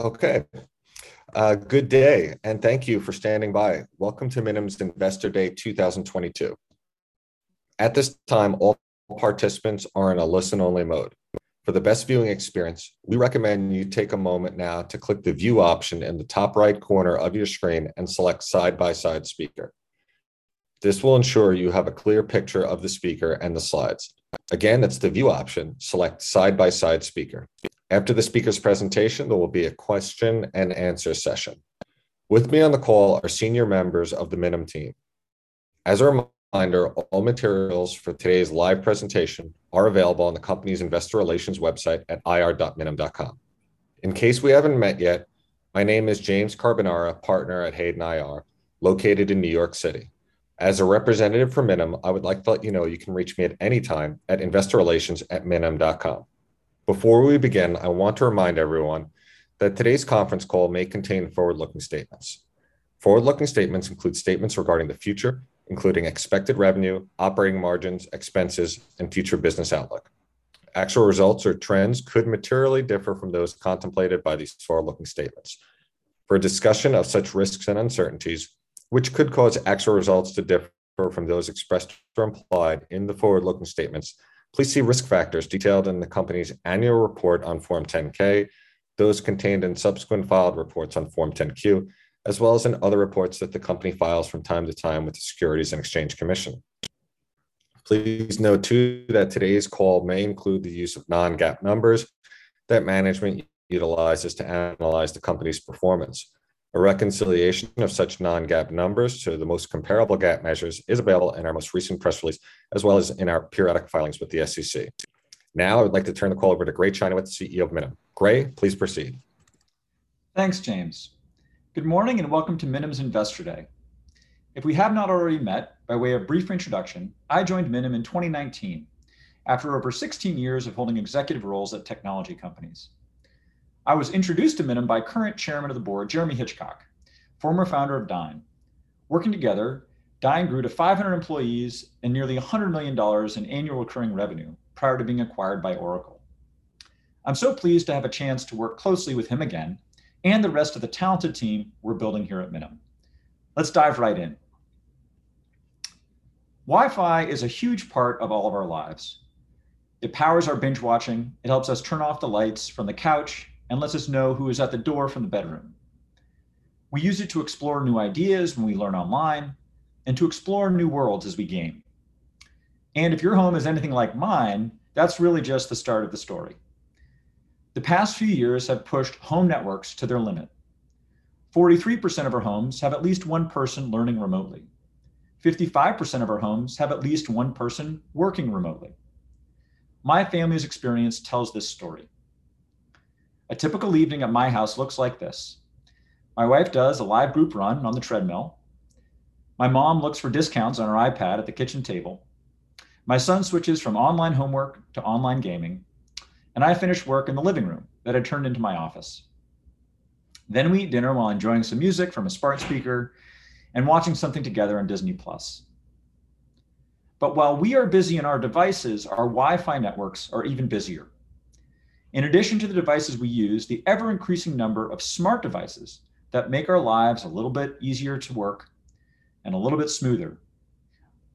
Okay. Good day and thank you for standing by. Welcome to Minim Investor Day 2022. At this time, all participants are in a listen only mode. For the best viewing experience, we recommend you take a moment now to click the View option in the top right corner of your screen and select side-by-side speaker. This will ensure you have a clear picture of the speaker and the slides. Again, it's the View option, select side-by-side speaker. After the speaker's presentation, there will be a question and answer session. With me on the call are senior members of the Minim team. As a reminder, all materials for today's live presentation are available on the company's investor relations website at ir.minim.com. In case we haven't met yet, my name is James Carbonara, Partner at Hayden IR, located in New York City. As a representative for Minim, I would like to let you know you can reach me at any time at investorrelations@minim.com. Before we begin, I want to remind everyone that today's conference call may contain forward-looking statements. Forward-looking statements include statements regarding the future, including expected revenue, operating margins, expenses, and future business outlook. Actual results or trends could materially differ from those contemplated by these forward-looking statements. For a discussion of such risks and uncertainties which could cause actual results to differ from those expressed or implied in the forward-looking statements, please see risk factors detailed in the company's annual report on Form 10-K, those contained in subsequent filed reports on Form 10-Q, as well as in other reports that the company files from time to time with the Securities and Exchange Commission. Please note, too, that today's call may include the use of non-GAAP numbers that management utilizes to analyze the company's performance. A reconciliation of such non-GAAP numbers to the most comparable GAAP measures is available in our most recent press release, as well as in our periodic filings with the SEC. Now I would like to turn the call over to Gray Chynoweth, the CEO of Minim. Gray, please proceed. Thanks, James. Good morning, and welcome to Minim's Investor Day. If we have not already met, by way of brief introduction, I joined Minim in 2019 after over 16 years of holding executive roles at technology companies. I was introduced to Minim by current Chairman of the Board, Jeremy Hitchcock, former founder of Dyn. Working together, Dyn grew to 500 employees and nearly $100 million in annual recurring revenue prior to being acquired by Oracle. I'm so pleased to have a chance to work closely with him again and the rest of the talented team we're building here at Minim. Let's dive right in. Wi-Fi is a huge part of all of our lives. It powers our binge-watching, it helps us turn off the lights from the couch, and lets us know who is at the door from the bedroom. We use it to explore new ideas when we learn online and to explore new worlds as we game. If your home is anything like mine, that's really just the start of the story. The past few years have pushed home networks to their limit. 43% of our homes have at least 1 person learning remotely. 55% of our homes have at least 1 person working remotely. My family's experience tells this story. A typical evening at my house looks like this. My wife does a live group run on the treadmill, my mom looks for discounts on her iPad at the kitchen table, my son switches from online homework to online gaming, and I finish work in the living room that I turned into my office. We eat dinner while enjoying some music from a smart speaker and watching something together on Disney+. While we are busy in our devices, our Wi-Fi networks are even busier. In addition to the devices we use, the ever-increasing number of smart devices that make our lives a little bit easier to work and a little bit smoother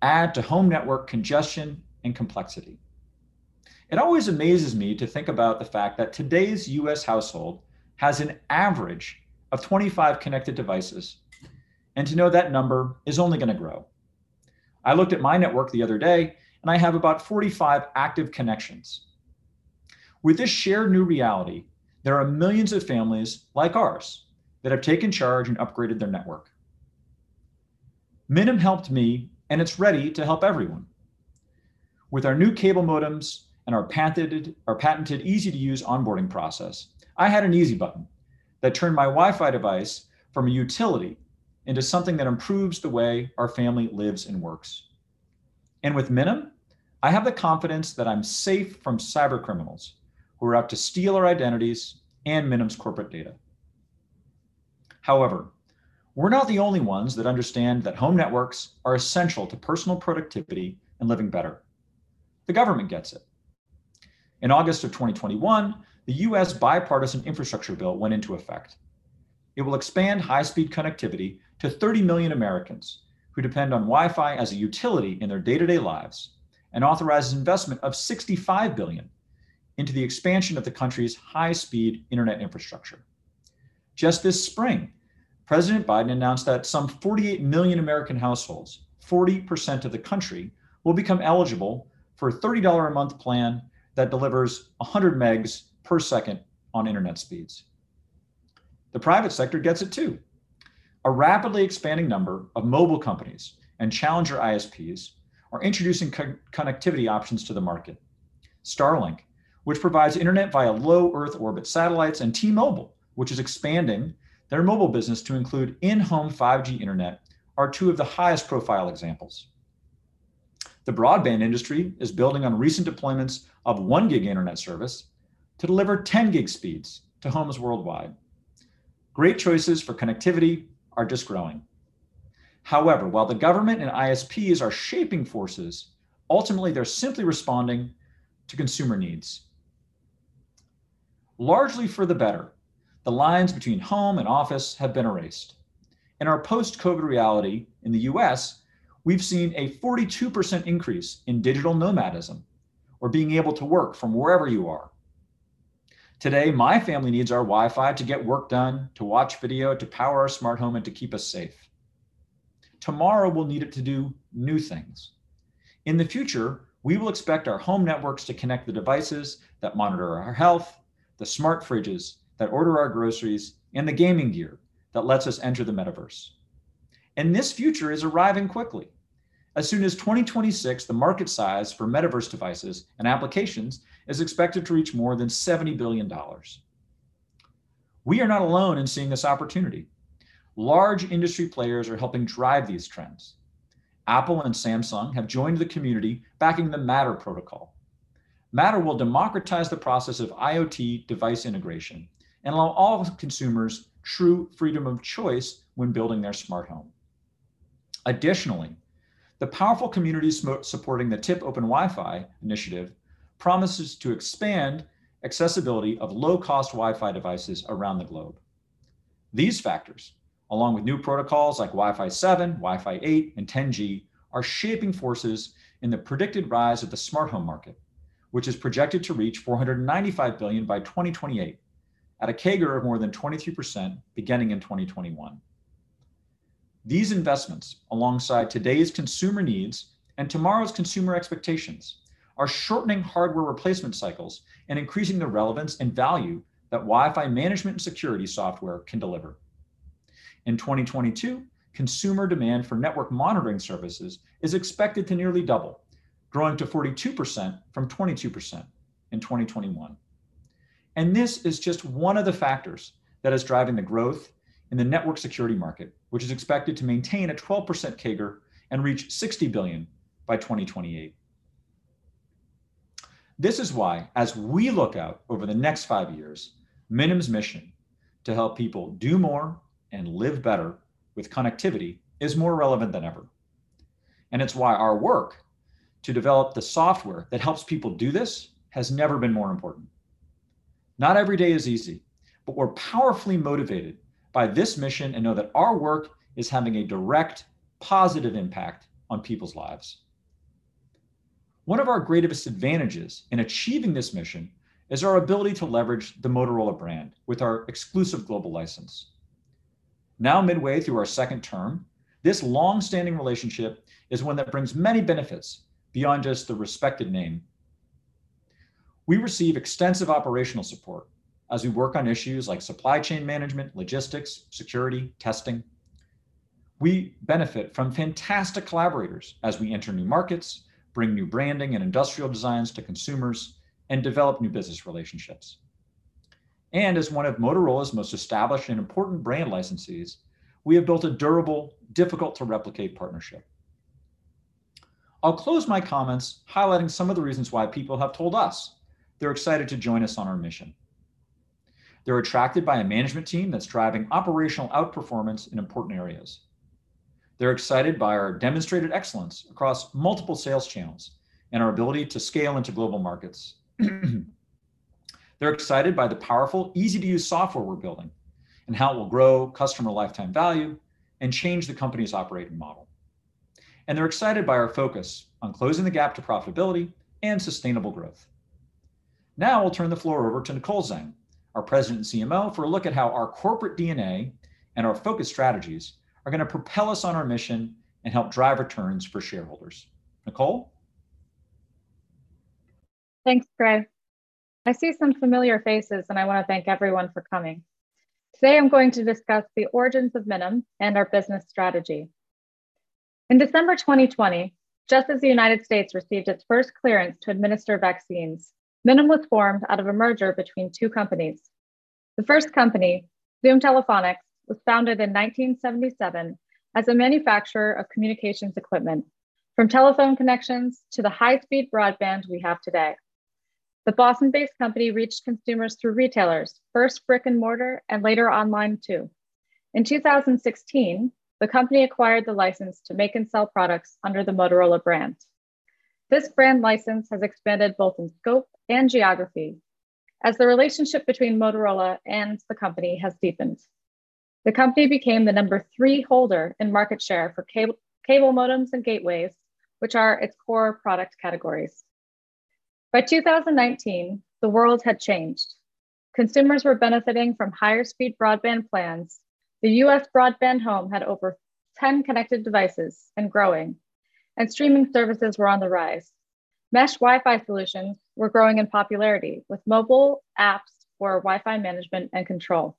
add to home network congestion and complexity. It always amazes me to think about the fact that today's U.S. household has an average of 25 connected devices and to know that number is only gonna grow. I looked at my network the other day, and I have about 45 active connections. With this shared new reality, there are millions of families like ours that have taken charge and upgraded their network. Minim helped me, and it's ready to help everyone. With our new cable modems and our patented easy-to-use onboarding process, I had an easy button that turned my Wi-Fi device from a utility into something that improves the way our family lives and works. With Minim, I have the confidence that I'm safe from cybercriminals who are out to steal our identities and Minim's corporate data. However, we're not the only ones that understand that home networks are essential to personal productivity and living better. The government gets it. In August of 2021, the US Bipartisan Infrastructure Bill went into effect. It will expand high-speed connectivity to 30 million Americans who depend on Wi-Fi as a utility in their day-to-day lives and authorizes investment of $65 billion into the expansion of the country's high-speed internet infrastructure. Just this spring, President Biden announced that some 48 million American households, 40% of the country, will become eligible for a $30 a month plan that delivers 100 Mbps on internet speeds. The private sector gets it too. A rapidly expanding number of mobile companies and challenger ISPs are introducing connectivity options to the market. Starlink, which provides internet via low Earth orbit satellites, and T-Mobile, which is expanding their mobile business to include in-home 5G internet, are 2 of the highest profile examples. The broadband industry is building on recent deployments of 1 gig internet service to deliver 10 gig speeds to homes worldwide. Great choices for connectivity are just growing. However, while the government and ISPs are shaping forces, ultimately, they're simply responding to consumer needs. Largely for the better, the lines between home and office have been erased. In our post-COVID reality in the U.S., we've seen a 42% increase in digital nomadism or being able to work from wherever you are. Today, my family needs our Wi-Fi to get work done, to watch video, to power our smart home, and to keep us safe. Tomorrow, we'll need it to do new things. In the future, we will expect our home networks to connect the devices that monitor our health, the smart fridges that order our groceries, and the gaming gear that lets us enter the metaverse. This future is arriving quickly. As soon as 2026, the market size for metaverse devices and applications is expected to reach more than $70 billion. We are not alone in seeing this opportunity. Large industry players are helping drive these trends. Apple and Samsung have joined the community backing the Matter protocol. Matter will democratize the process of IoT device integration and allow all of consumers true freedom of choice when building their smart home. Additionally, the powerful communities supporting the TIP OpenWiFi initiative promises to expand accessibility of low-cost Wi-Fi devices around the globe. These factors, along with new protocols like Wi-Fi 7, Wi-Fi 8, and 10G, are shaping forces in the predicted rise of the smart home market, which is projected to reach $495 billion by 2028 at a CAGR of more than 23% beginning in 2021. These investments, alongside today's consumer needs and tomorrow's consumer expectations, are shortening hardware replacement cycles and increasing the relevance and value that Wi-Fi management and security software can deliver. In 2022, consumer demand for network monitoring services is expected to nearly double, growing to 42% from 22% in 2021. This is just one of the factors that is driving the growth in the network security market, which is expected to maintain a 12% CAGR and reach $60 billion by 2028. This is why, as we look out over the next 5 years, Minim's mission to help people do more and live better with connectivity is more relevant than ever, and it's why our work to develop the software that helps people do this has never been more important. Not every day is easy, but we're powerfully motivated by this mission and know that our work is having a direct, positive impact on people's lives. One of our greatest advantages in achieving this mission is our ability to leverage the Motorola brand with our exclusive global license. Now midway through our second term, this long-standing relationship is 1 that brings many benefits beyond just the respected name. We receive extensive operational support as we work on issues like supply chain management, logistics, security, testing. We benefit from fantastic collaborators as we enter new markets, bring new branding and industrial designs to consumers, and develop new business relationships. As 1 of Motorola's most established and important brand licensees, we have built a durable, difficult to replicate partnership. I'll close my comments highlighting some of the reasons why people have told us they're excited to join us on our mission. They're attracted by a management team that's driving operational outperformance in important areas. They're excited by our demonstrated excellence across multiple sales channels and our ability to scale into global markets. They're excited by the powerful, easy-to-use software we're building and how it will grow customer lifetime value and change the company's operating model. They're excited by our focus on closing the gap to profitability and sustainable growth. Now I'll turn the floor over to Nicole Zheng, our President and CMO, for a look at how our corporate DNA and our focus strategies are going to propel us on our mission and help drive returns for shareholders. Nicole? Thanks, Gray. I see some familiar faces, and I want to thank everyone for coming. Today I'm going to discuss the origins of Minim and our business strategy. In December 2020, just as the United States received its first clearance to administer vaccines, Minim was formed out of a merger between 2 companies. The first company, Zoom Telephonics, was founded in 1977 as a manufacturer of communications equipment, from telephone connections to the high-speed broadband we have today. The Boston-based company reached consumers through retailers, first brick and mortar and later online too. In 2016, the company acquired the license to make and sell products under the Motorola brand. This brand license has expanded both in scope and geography as the relationship between Motorola and the company has deepened. The company became the number 3 holder in market share for cable modems and gateways, which are its core product categories. By 2019, the world had changed. Consumers were benefiting from higher-speed broadband plans, the U.S. broadband home had over 10 connected devices and growing, and streaming services were on the rise. Mesh Wi-Fi solutions were growing in popularity with mobile apps for Wi-Fi management and control.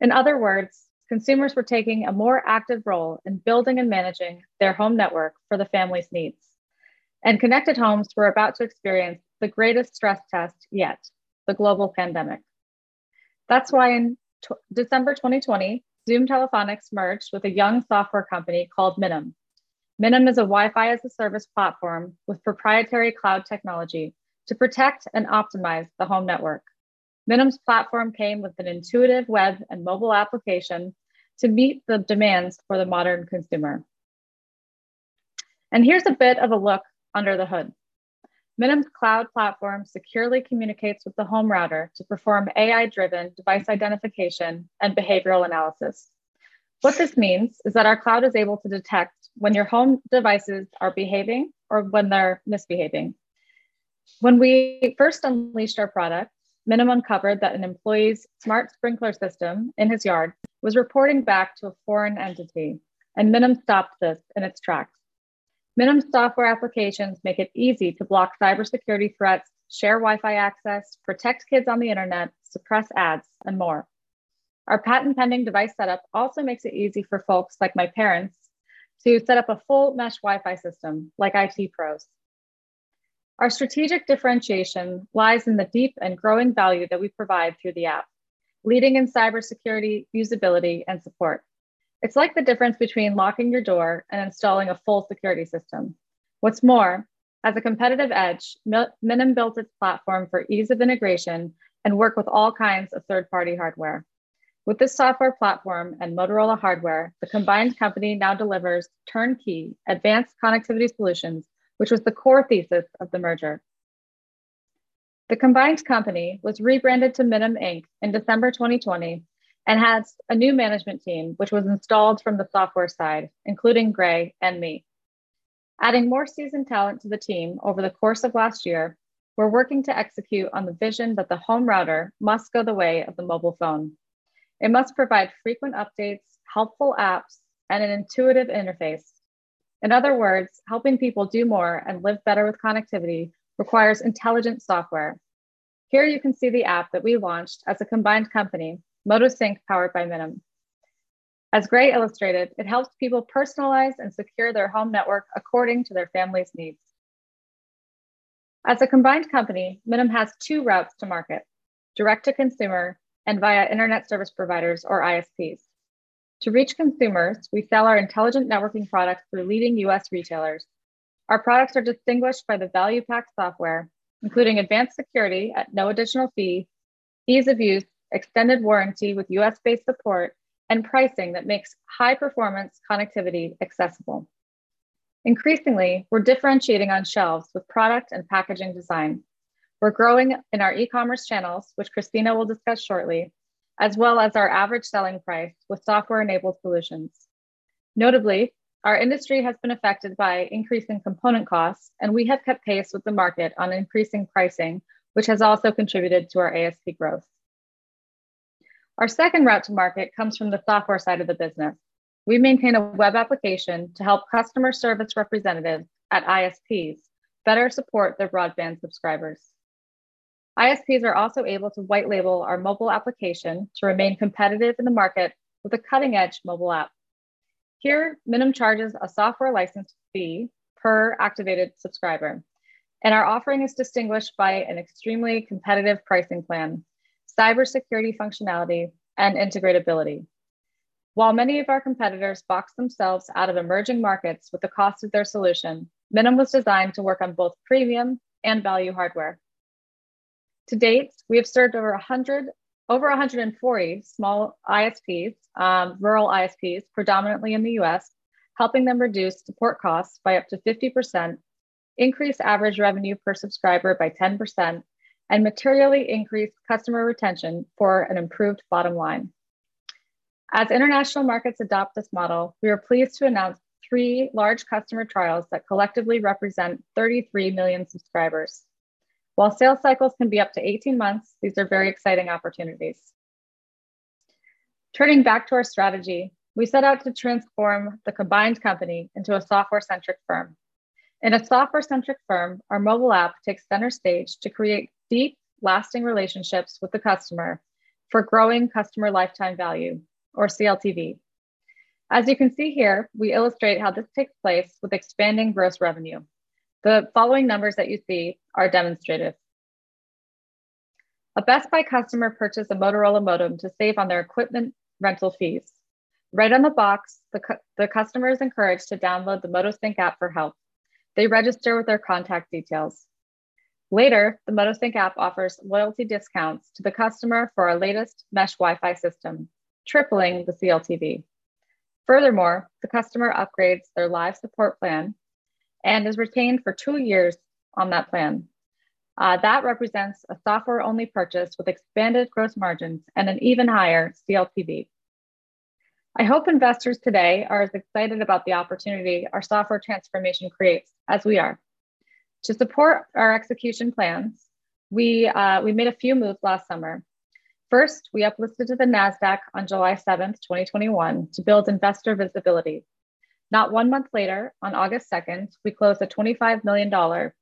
In other words, consumers were taking a more active role in building and managing their home network for the family's needs, and connected homes were about to experience the greatest stress test yet, the global pandemic. That's why in December 2020, Zoom Telephonics merged with a young software company called Minim. Minim is a Wi-Fi as a service platform with proprietary cloud technology to protect and optimize the home network. Minim's platform came with an intuitive web and mobile application to meet the demands for the modern consumer. Here's a bit of a look under the hood. Minim's cloud platform securely communicates with the home router to perform AI-driven device identification and behavioral analysis. What this means is that our cloud is able to detect when your home devices are behaving or when they're misbehaving. When we first unleashed our product, Minim uncovered that an employee's smart sprinkler system in his yard was reporting back to a foreign entity, and Minim stopped this in its tracks. Minim software applications make it easy to block cybersecurity threats, share Wi-Fi access, protect kids on the internet, suppress ads, and more. Our patent-pending device setup also makes it easy for folks like my parents to set up a full mesh Wi-Fi system like IT pros. Our strategic differentiation lies in the deep and growing value that we provide through the app, leading in cybersecurity, usability, and support. It's like the difference between locking your door and installing a full security system. What's more, as a competitive edge, Minim built its platform for ease of integration and work with all kinds of third-party hardware. With this software platform and Motorola hardware, the combined company now delivers turnkey advanced connectivity solutions, which was the core thesis of the merger. The combined company was rebranded to Minim Inc. in December 2020 and has a new management team, which was installed from the software side, including Gray and me. Adding more seasoned talent to the team over the course of last year, we're working to execute on the vision that the home router must go the way of the mobile phone. It must provide frequent updates, helpful apps, and an intuitive interface. In other words, helping people do more and live better with connectivity requires intelligent software. Here you can see the app that we launched as a combined company, MotoSync, powered by Minim. As Gray illustrated, it helps people personalize and secure their home network according to their family's needs. As a combined company, Minim has 2 routes to market, direct to consumer and via internet service providers or ISPs. To reach consumers, we sell our intelligent networking products through leading U.S. retailers. Our products are distinguished by the value pack software, including advanced security at no additional fee, ease of use, extended warranty with U.S.-based support, and pricing that makes high performance connectivity accessible. Increasingly, we're differentiating on shelves with product and packaging design. We're growing in our e-commerce channels, which Christina will discuss shortly, as well as our average selling price with software-enabled solutions. Notably, our industry has been affected by increase in component costs, and we have kept pace with the market on increasing pricing, which has also contributed to our ASP growth. Our second route to market comes from the software side of the business. We maintain a web application to help customer service representatives at ISPs better support their broadband subscribers. ISPs are also able to white label our mobile application to remain competitive in the market with a cutting-edge mobile app. Here, Minim charges a software license fee per activated subscriber, and our offering is distinguished by an extremely competitive pricing plan, cybersecurity functionality, and integrability. While many of our competitors box themselves out of emerging markets with the cost of their solution, Minim was designed to work on both premium and value hardware. To date, we have served over 140 small ISPs, rural ISPs, predominantly in the U.S., helping them reduce support costs by up to 50%, increase average revenue per subscriber by 10%, and materially increase customer retention for an improved bottom line. As international markets adopt this model, we are pleased to announce 3 large customer trials that collectively represent 33 million subscribers. While sales cycles can be up to 18 months, these are very exciting opportunities. Turning back to our strategy, we set out to transform the combined company into a software-centric firm. In a software-centric firm, our mobile app takes center stage to create deep, lasting relationships with the customer for growing customer lifetime value or CLTV. As you can see here, we illustrate how this takes place with expanding gross revenue. The following numbers that you see are demonstrative. A Best Buy customer purchased a Motorola modem to save on their equipment rental fees. Right on the box, the customer is encouraged to download the MotoSync app for help. They register with their contact details. Later, the MotoSync app offers loyalty discounts to the customer for our latest mesh Wi-Fi system, tripling the CLTV. Furthermore, the customer upgrades their live support plan and is retained for 2 years on that plan. That represents a software-only purchase with expanded gross margins and an even higher CLTV. I hope investors today are as excited about the opportunity our software transformation creates as we are. To support our execution plans, we made a few moves last summer. First, we uplisted to the Nasdaq on July 7, 2021 to build investor visibility. Not 1 month later, on August 2, we closed a $25 million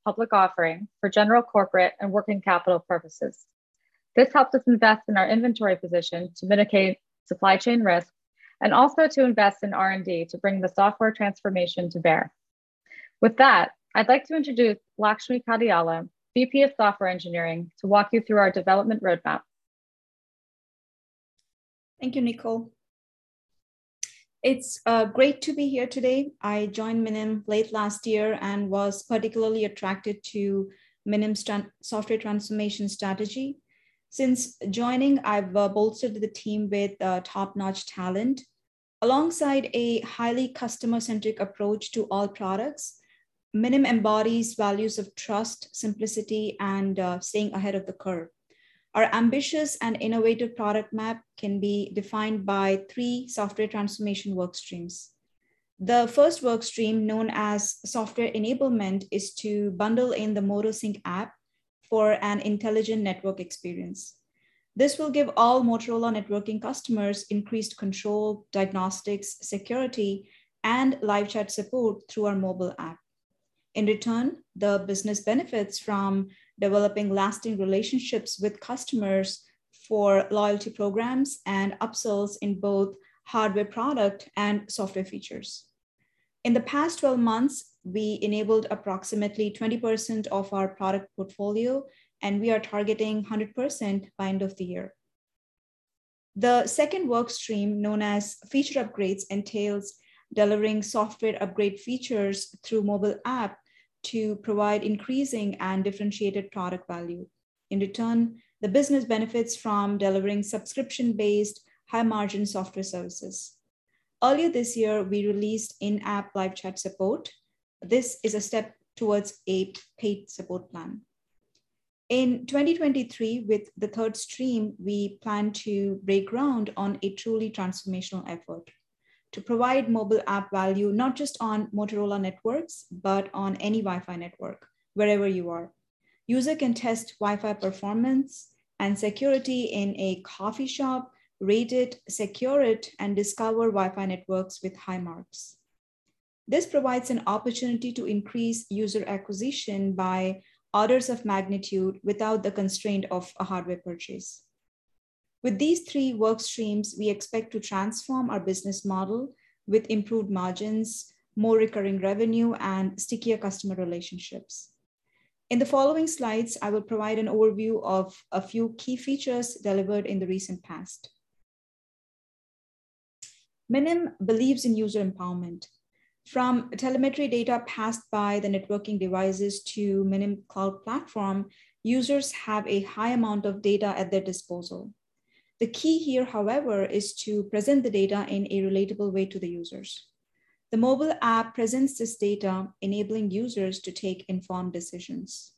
public offering for general corporate and working capital purposes. This helped us invest in our inventory position to mitigate supply chain risk and also to invest in R&D to bring the software transformation to bear. With that, I'd like to introduce Lakshmi Kadiyala, VP of Software Engineering, to walk you through our development roadmap. Thank you, Nicole. It's great to be here today. I joined Minim late last year and was particularly attracted to Minim's software transformation strategy. Since joining, I've bolstered the team with top-notch talent. Alongside a highly customer-centric approach to all products, Minim embodies values of trust, simplicity, and staying ahead of the curve. Our ambitious and innovative product map can be defined by 3 software transformation work streams. The first work stream, known as software enablement, is to bundle in the MotoSync app for an intelligent network experience. This will give all Motorola networking customers increased control, diagnostics, security, and live chat support through our mobile app. In return, the business benefits from developing lasting relationships with customers for loyalty programs and upsells in both hardware product and software features. In the past 12 months, we enabled approximately 20% of our product portfolio, and we are targeting 100% by end of the year. The second work stream, known as feature upgrades, entails delivering software upgrade features through mobile app to provide increasing and differentiated product value. In return, the business benefits from delivering subscription-based high-margin software services. Earlier this year, we released in-app live chat support. This is a step towards a paid support plan. In 2023, with the third stream, we plan to break ground on a truly transformational effort to provide mobile app value, not just on Motorola networks, but on any Wi-Fi network, wherever you are. User can test Wi-Fi performance and security in a coffee shop, rate it, secure it, and discover Wi-Fi networks with high marks. This provides an opportunity to increase user acquisition by orders of magnitude without the constraint of a hardware purchase. With these 3 work streams, we expect to transform our business model with improved margins, more recurring revenue, and stickier customer relationships. In the following slides, I will provide an overview of a few key features delivered in the recent past. Minim believes in user empowerment. From telemetry data passed by the networking devices to Minim cloud platform, users have a high amount of data at their disposal. The key here, however, is to present the data in a relatable way to the users. The mobile app presents this data, enabling users to take informed decisions.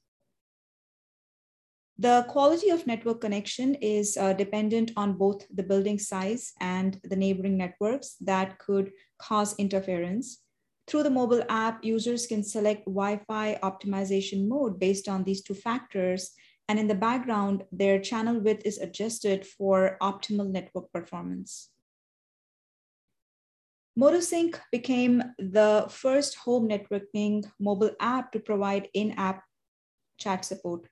The quality of network connection is dependent on both the building size and the neighboring networks that could cause interference. Through the mobile app, users can select Wi-Fi optimization mode based on these 2 factors, and in the background, their channel width is adjusted for optimal network performance. MotoSync became the first home networking mobile app to provide in-app chat support.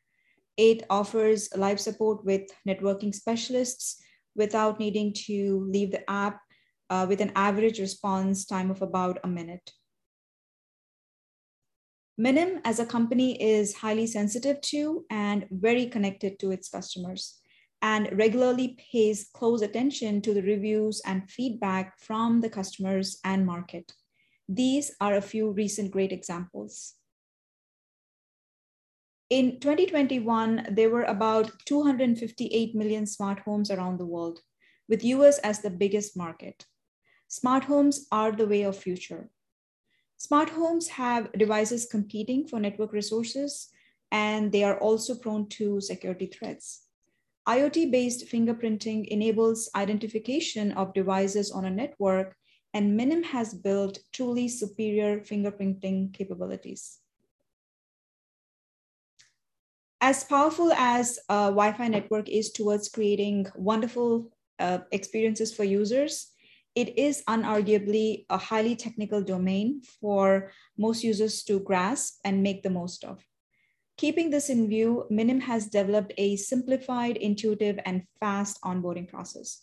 It offers live support with networking specialists without needing to leave the app, with an average response time of about a minute. Minim, as a company, is highly sensitive to and very connected to its customers, and regularly pays close attention to the reviews and feedback from the customers and market. These are a few recent great examples. In 2021, there were about 258 million smart homes around the world, with U.S. as the biggest market. Smart homes are the way of future. Smart homes have devices competing for network resources, and they are also prone to security threats. IoT-based fingerprinting enables identification of devices on a network, and Minim has built truly superior fingerprinting capabilities. As powerful as a Wi-Fi network is towards creating wonderful experiences for users, it is unarguably a highly technical domain for most users to grasp and make the most of. Keeping this in view, Minim has developed a simplified, intuitive, and fast onboarding process.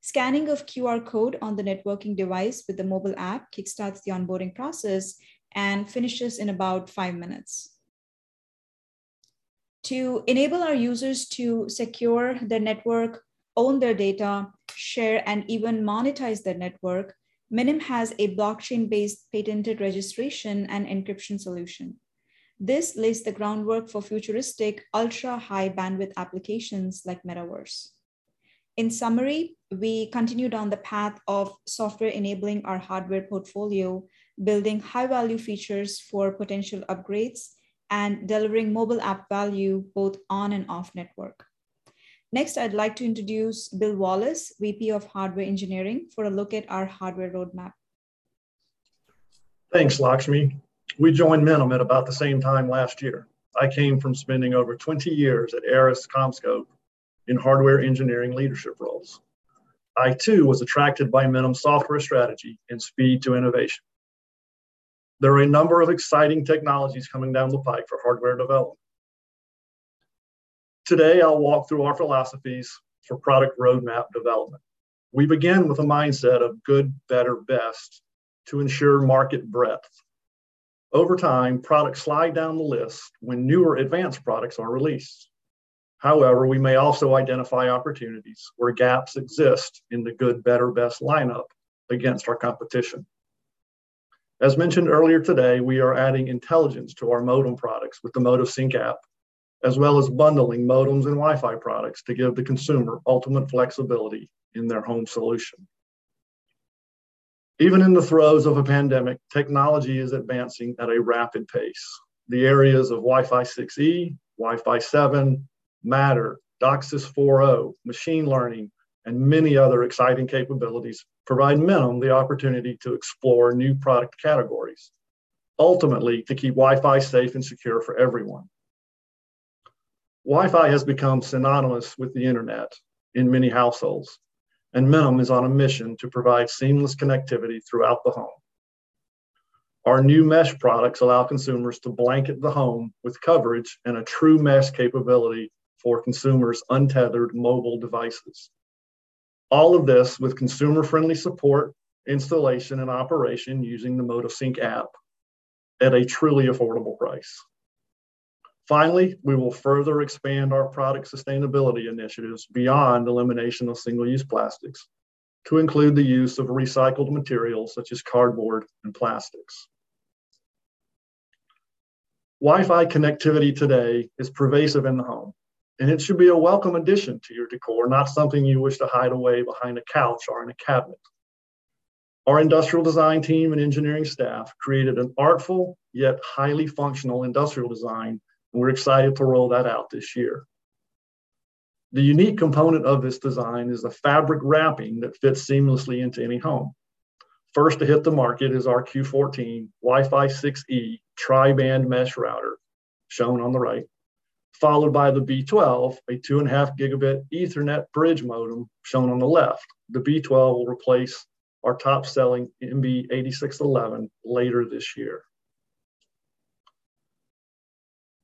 Scanning of QR code on the networking device with the mobile app kickstarts the onboarding process and finishes in about 5 minutes. To enable our users to secure their network, own their data, share, and even monetize their network, Minim has a blockchain-based patented registration and encryption solution. This lays the groundwork for futuristic, ultra-high bandwidth applications like metaverse. In summary, we continue down the path of software enabling our hardware portfolio, building high-value features for potential upgrades, and delivering mobile app value both on and off network. Next, I'd like to introduce Bill Wallace, VP of Hardware Engineering, for a look at our hardware roadmap. Thanks, Lakshmi. We joined Minim at about the same time last year. I came from spending over 20 years at ARRIS/CommScope in hardware engineering leadership roles. I, too, was attracted by Minim software strategy and speed to innovation. There are a number of exciting technologies coming down the pipe for hardware development. Today, I'll walk through our philosophies for product roadmap development. We begin with a mindset of good, better, best to ensure market breadth. Over time, products slide down the list when newer advanced products are released. However, we may also identify opportunities where gaps exist in the good, better, best lineup against our competition. As mentioned earlier today, we are adding intelligence to our modem products with the MotoSync app, as well as bundling modems and Wi-Fi products to give the consumer ultimate flexibility in their home solution. Even in the throes of a pandemic, technology is advancing at a rapid pace. The areas of Wi-Fi 6E, Wi-Fi 7, Matter, DOCSIS 4.0, machine learning, and many other exciting capabilities provide Minim the opportunity to explore new product categories, ultimately to keep Wi-Fi safe and secure for everyone. Wi-Fi has become synonymous with the internet in many households, and Minim is on a mission to provide seamless connectivity throughout the home. Our new mesh products allow consumers to blanket the home with coverage and a true mesh capability for consumers' untethered mobile devices. All of this with consumer-friendly support, installation, and operation using the MotoSync app at a truly affordable price. Finally, we will further expand our product sustainability initiatives beyond elimination of single-use plastics to include the use of recycled materials such as cardboard and plastics. Wi-Fi connectivity today is pervasive in the home, and it should be a welcome addition to your decor, not something you wish to hide away behind a couch or in a cabinet. Our industrial design team and engineering staff created an artful yet highly functional industrial design and we're excited to roll that out this year. The unique component of this design is the fabric wrapping that fits seamlessly into any home. First to hit the market is our Q14 Wi-Fi 6E tri-band mesh router, shown on the right, followed by the B12, a 2.5 gigabit Ethernet bridge modem, shown on the left. The B12 will replace our top-selling MB8611 later this year.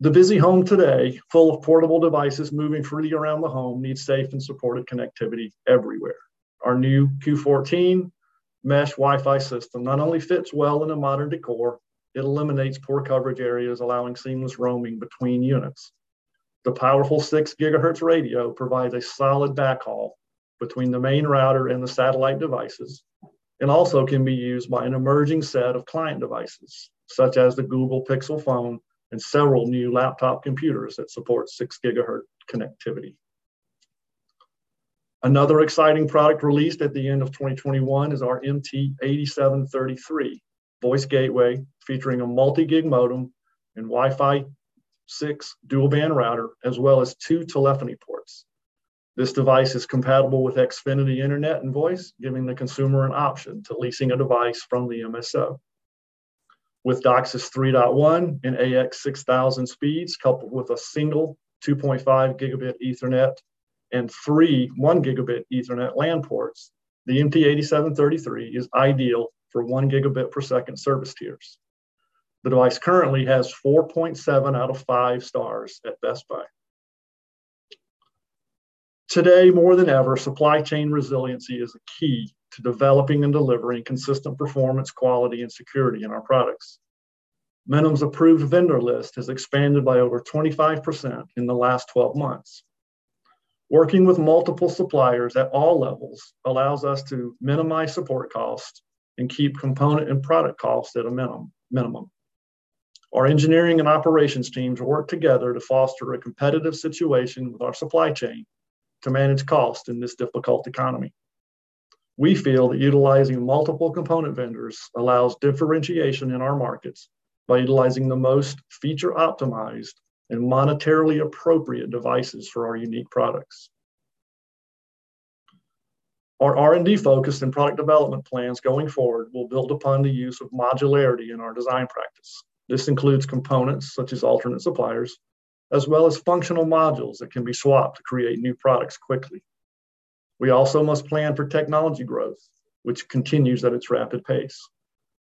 The busy home today, full of portable devices moving freely around the home, needs safe and supported connectivity everywhere. Our new Q14 mesh Wi-Fi system not only fits well in a modern decor. It eliminates poor coverage areas allowing seamless roaming between units. The powerful 6 GHz radio provides a solid backhaul between the main router and the satellite devices and also can be used by an emerging set of client devices such as the Google Pixel phone and several new laptop computers that support 6 GHz connectivity. Another exciting product released at the end of 2021 is our MT8733 voice gateway featuring a multi-gig modem and Wi-Fi 6 dual band router as well as 2 telephony ports. This device is compatible with Xfinity internet and voice, giving the consumer an option to lease a device from the MSO. With DOCSIS 3.1 and AX6000 speeds coupled with a single 2.5 Gigabit Ethernet and 3 1 Gigabit Ethernet LAN ports, the MT8733 is ideal for 1 gigabit per second service tiers. The device currently has 4.7 out of 5 stars at Best Buy. Today more than ever, supply chain resiliency is a key to developing and delivering consistent performance quality and security in our products. Minim's approved vendor list has expanded by over 25% in the last 12 months. Working with multiple suppliers at all levels allows us to minimize support costs and keep component and product costs at a minim-minimum. Our engineering and operations teams work together to foster a competitive situation with our supply chain to manage cost in this difficult economy. We feel that utilizing multiple component vendors allows differentiation in our markets by utilizing the most feature optimized and monetarily appropriate devices for our unique products. Our R&D focus and product development plans going forward will build upon the use of modularity in our design practice. This includes components such as alternate suppliers as well as functional modules that can be swapped to create new products quickly. We also must plan for technology growth, which continues at its rapid pace.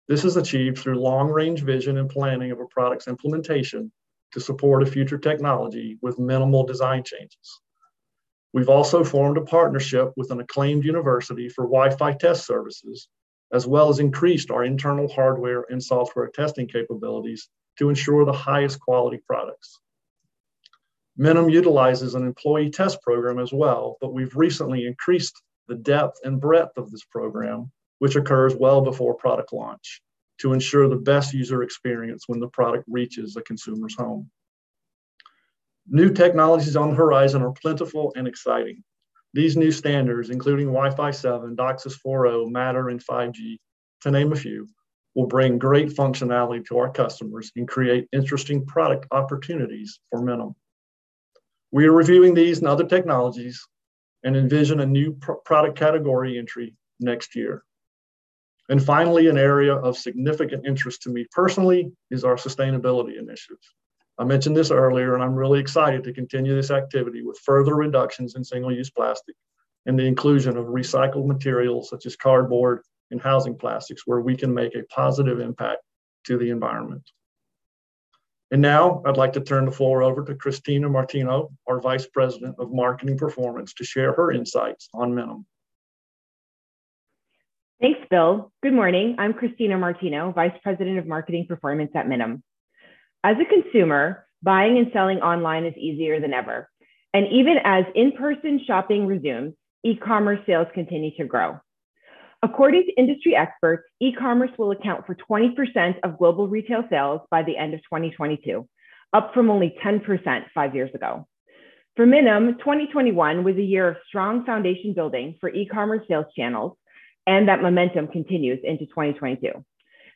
This is achieved through long-range vision and planning of a product's implementation to support a future technology with minimal design changes. We've also formed a partnership with an acclaimed university for Wi-Fi test services as well as increased our internal hardware and software testing capabilities to ensure the highest quality products. Minim utilizes an employee test program as well, but we've recently increased the depth and breadth of this program, which occurs well before product launch to ensure the best user experience when the product reaches a consumer's home. New technologies on the horizon are plentiful and exciting. These new standards, including Wi-Fi 7, DOCSIS 4.0, Matter, and 5G, to name a few, will bring great functionality to our customers and create interesting product opportunities for Minim. We are reviewing these and other technologies and envision a new product category entry next year. Finally, an area of significant interest to me personally is our sustainability initiatives. I mentioned this earlier, and I'm really excited to continue this activity with further reductions in single-use plastic and the inclusion of recycled materials such as cardboard and housing plastics where we can make a positive impact to the environment. Now I'd like to turn the floor over to Christina Martino, our Vice President of Marketing Performance, to share her insights on Minim. Thanks, Bill. Good morning. I'm Christina Martino, Vice President of Marketing Performance at Minim. As a consumer, buying and selling online is easier than ever. Even as in-person shopping resumes, e-commerce sales continue to grow. According to industry experts, e-commerce will account for 20% of global retail sales by the end of 2022, up from only 10% 5 years ago. For Minim, 2021 was a year of strong foundation building for e-commerce sales channels and that momentum continues into 2022.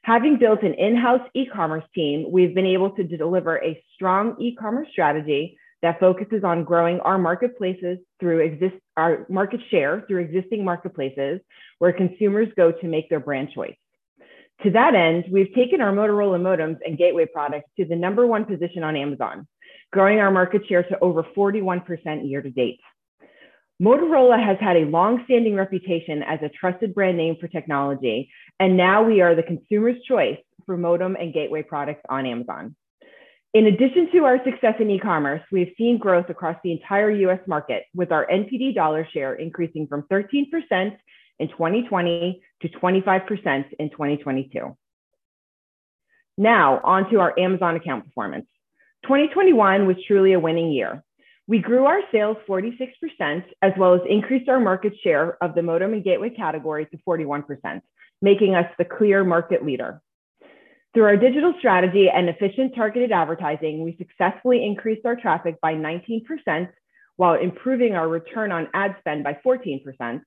Having built an in-house e-commerce team, we've been able to deliver a strong e-commerce strategy that focuses on growing our market share through existing marketplaces where consumers go to make their brand choice. To that end, we've taken our Motorola modems and gateway products to the number 1 position on Amazon, growing our market share to over 41% year to date. Motorola has had a long-standing reputation as a trusted brand name for technology, and now we are the consumer's choice for modem and gateway products on Amazon. In addition to our success in e-commerce, we have seen growth across the entire U.S. market with our NPD dollar share increasing from 13% in 2020 to 25% in 2022. Now, on to our Amazon account performance. 2021 was truly a winning year. We grew our sales 46% as well as increased our market share of the modem and gateway category to 41%, making us the clear market leader. Through our digital strategy and efficient targeted advertising, we successfully increased our traffic by 19% while improving our return on ad spend by 14%,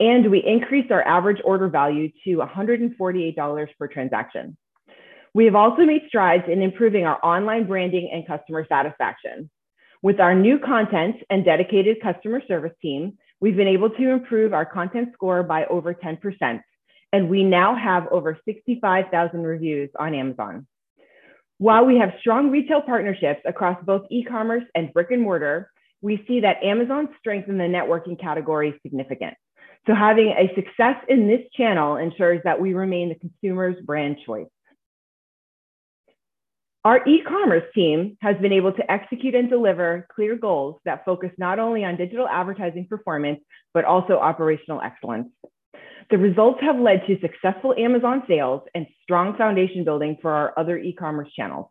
and we increased our average order value to $148 per transaction. We have also made strides in improving our online branding and customer satisfaction. With our new content and dedicated customer service team, we've been able to improve our content score by over 10%, and we now have over 65,000 reviews on Amazon. While we have strong retail partnerships across both e-commerce and brick-and-mortar, we see that Amazon's strength in the networking category is significant, so having a success in this channel ensures that we remain the consumer's brand choice. Our e-commerce team has been able to execute and deliver clear goals that focus not only on digital advertising performance, but also operational excellence. The results have led to successful Amazon sales and strong foundation building for our other e-commerce channels.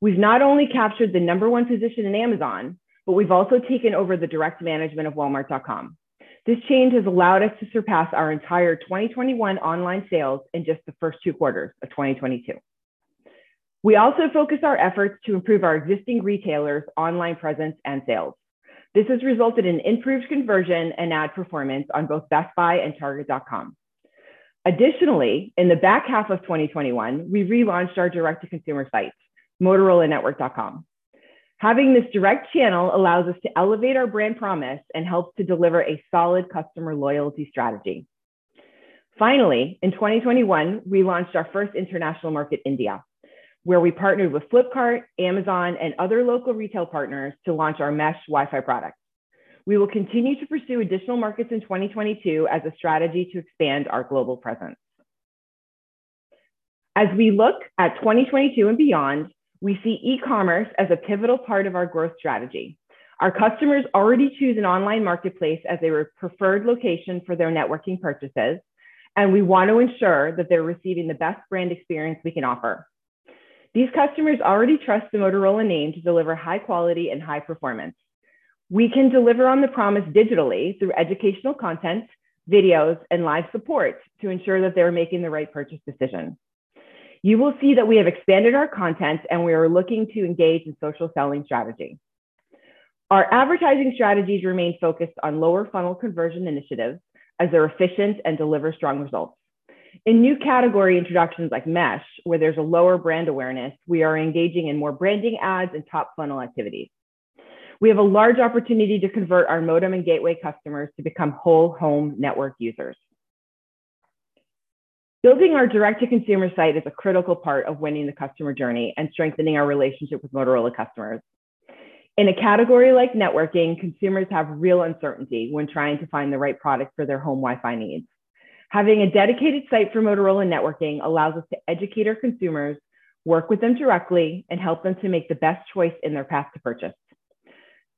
We've not only captured the number 1 position in Amazon, but we've also taken over the direct management of walmart.com. This change has allowed us to surpass our entire 2021 online sales in just the first 2 quarters of 2022. We also focus our efforts to improve our existing retailers' online presence and sales. This has resulted in improved conversion and ad performance on both bestbuy.com and target.com. Additionally, in the back half of 2021, we relaunched our direct-to-consumer site, motorolanetwork.com. Having this direct channel allows us to elevate our brand promise and helps to deliver a solid customer loyalty strategy. Finally, in 2021, we launched our first international market, India, where we partnered with Flipkart, Amazon, and other local retail partners to launch our Mesh WiFi product. We will continue to pursue additional markets in 2022 as a strategy to expand our global presence. As we look at 2022 and beyond, we see e-commerce as a pivotal part of our growth strategy. Our customers already choose an online marketplace as their preferred location for their networking purchases, and we want to ensure that they're receiving the best brand experience we can offer. These customers already trust the Motorola name to deliver high quality and high performance. We can deliver on the promise digitally through educational content, videos, and live support to ensure that they are making the right purchase decision. You will see that we have expanded our content, and we are looking to engage in social selling strategy. Our advertising strategies remain focused on lower funnel conversion initiatives, as they're efficient and deliver strong results. In new category introductions like Mesh, where there's a lower brand awareness, we are engaging in more branding ads and top funnel activity. We have a large opportunity to convert our modem and gateway customers to become whole-home network users. Building our direct-to-consumer site is a critical part of winning the customer journey and strengthening our relationship with Motorola customers. In a category like networking, consumers have real uncertainty when trying to find the right product for their home Wi-Fi needs. Having a dedicated site for Motorola networking allows us to educate our consumers, work with them directly, and help them to make the best choice in their path to purchase.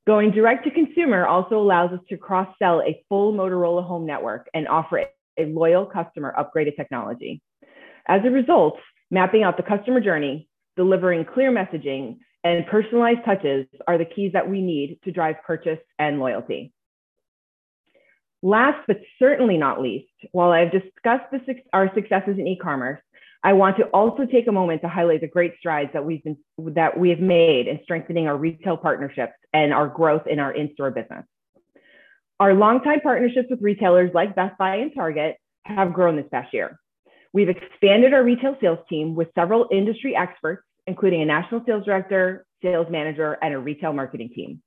Going direct to consumer also allows us to cross-sell a full Motorola home network and offer a loyal customer upgraded technology. As a result, mapping out the customer journey, delivering clear messaging and personalized touches are the keys that we need to drive purchase and loyalty. Last, but certainly not least, while I've discussed our successes in e-commerce, I want to also take a moment to highlight the great strides that we have made in strengthening our retail partnerships and our growth in our in-store business. Our longtime partnerships with retailers like Best Buy and Target have grown this past year. We've expanded our retail sales team with several industry experts, including a national sales director, sales manager, and a retail marketing team.